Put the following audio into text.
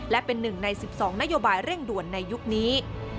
และเป็น๑ใน๑๒นโยบายเร่งด่วนในยุคนี้